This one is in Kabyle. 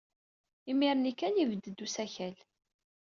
Imir-nni kan, yebded-d usakal.